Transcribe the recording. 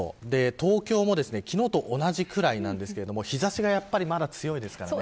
東京も昨日と同じくらいなんですが日差しがまだ強いですからね。